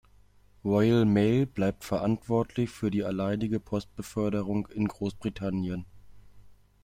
Royal Mail bleibt verantwortlich für die alleinige Postbeförderung in Großbritannien.